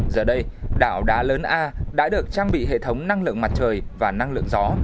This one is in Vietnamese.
giờ đây đảo đá lớn a đã được trang bị hệ thống năng lượng mặt trời và năng lượng gió